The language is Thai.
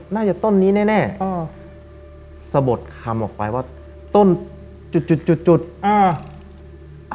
น่าจะต้นนี้แน่แน่อ่าสะบดคำออกไปว่าต้นจุดจุดจุดจุดจุดจุดอ่า